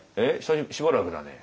しばらくだね」。